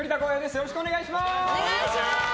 よろしくお願いします！